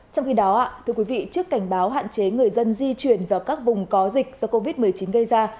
trong khi đó trước cảnh báo hạn chế người dân di chuyển vào các vùng có dịch do covid một mươi chín gây ra